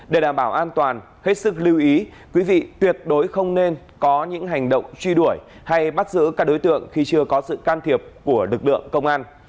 để đảm bảo an toàn hết sức lưu ý quý vị tuyệt đối không nên có những hành động truy đuổi hay bắt giữ các đối tượng khi chưa có sự can thiệp của lực lượng công an